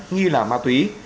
nghi là ma túy